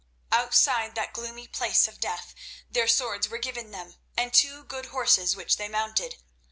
Outside that gloomy place of death their swords were given them, and two good horses, which they mounted.